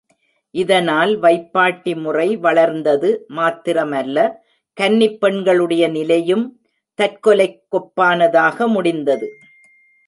இதனால் வைப்பாட்டி முறை வளர்ந்தது மாத்திரமல்ல, கன்னிப் பெண்களுடைய நிலையும் தற்கொலைக் கொப்பானதாக முடிந்தது.